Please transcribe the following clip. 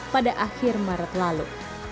pada akhir maret lalu